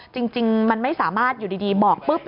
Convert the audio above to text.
จริงมันไม่สามารถอยู่ดีบอกปุ๊บ